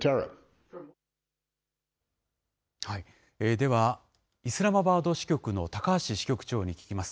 では、イスラマバード支局の高橋支局長に聞きます。